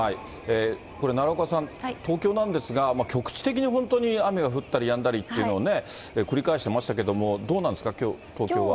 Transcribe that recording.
これ、奈良岡さん、東京なんですが、局地的に本当に雨が降ったりやんだりっていうのをくり返してましたけども、どうなんですか、きょう東京は。